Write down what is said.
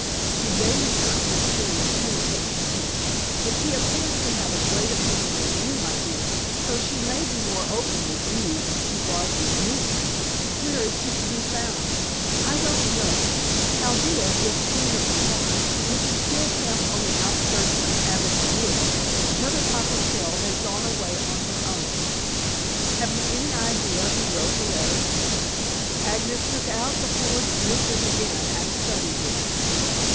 "She gave me certain mysterious hints that she did. But she appears to have a great opinion of you, my dear, so she may be more open with you than she was with me." "Where is she to be found?" "I don't know. Chaldea is queen of the tribe, which is still camped on the outskirts of Abbot's Wood. Mother Cockleshell has gone away on her own. Have you any idea who wrote the letter?" Agnes took out the forged missive again and studied it.